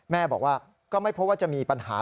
แม่บอกว่าก็ไม่พบว่าจะมีปัญหา